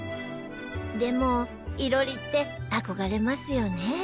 でも囲炉裏って憧れますよね